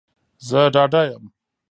زه ډاډه یم